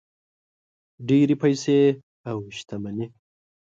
ډېرې پیسې او شتمني.